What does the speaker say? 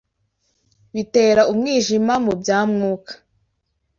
Bitera Umwijima mu bya Mwuka